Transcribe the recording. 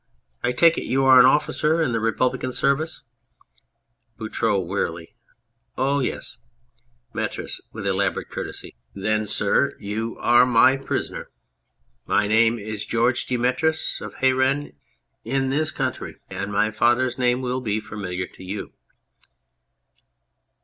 I take it you are an officer in the Republican service ? BOUTROUX (wearily). Oh yes ! METRIS (with elaborate courtesy). Then, sir, you 221 On Anything are my prisoner ! My name is Georges de Metris, of Heyren in this country, and my father's name will be familiar to you.